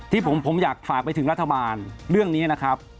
ที่ผมอยากฝากไปถึงรัฐบาลเรื่องนี้นะครับ